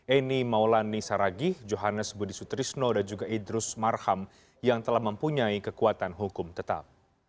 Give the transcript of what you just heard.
eni maulani saragih johannes budi sutrisno dan juga idrus marham yang telah mempunyai kekuatan hukum tetap